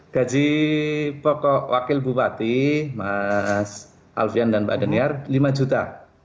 gaji wakil bupati mas aulia dan mbak dania lima juta